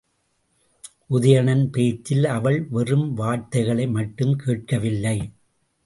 உதயணன் பேச்சில் அவள் வெறும் வார்த்தைகளை மட்டும் கேட்கவில்லை.